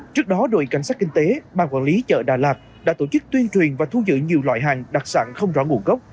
trước đó đội cảnh sát kinh tế ban quản lý chợ đà lạt đã tổ chức tuyên truyền và thu giữ nhiều loại hàng đặc sản không rõ nguồn gốc